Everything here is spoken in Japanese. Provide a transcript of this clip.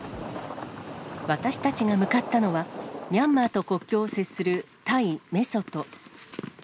私たちが向かったのは、ミャンマーと国境を接するタイ・メソト。